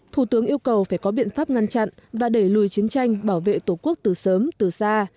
thủ tướng yêu cầu phải có biện pháp ngăn chặn và đẩy lùi chiến tranh bảo vệ tổ quốc từ sớm từ xa